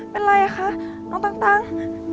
เป็นอะไรค่ะน้องตั้ง